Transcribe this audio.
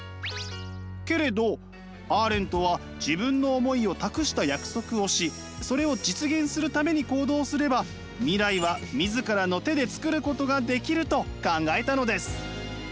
けれどアーレントは自分の思いを託した約束をしそれを実現するために行動すれば未来は自らの手でつくることができると考えたのです。